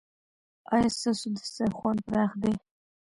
ایا ستاسو دسترخوان پراخ دی؟